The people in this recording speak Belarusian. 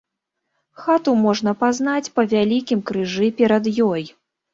Хату можна пазнаць па вялікім крыжы перад ёй.